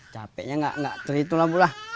capeknya enggak enggak terhitung lah bu lah